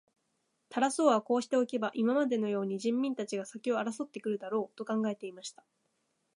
タラス王はこうしておけば、今までのように人民たちが先を争って来るだろう、と考えていました。